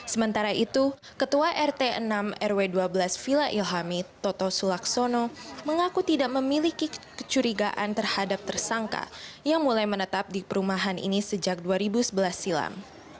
sementara itu ketua rt enam rw dua belas villa ilhamid toto sulaksono mengaku tidak memiliki kecurigaan terhadap tersangka yang mulai menetap di perumahan ini sejak dua ribu sebelas silam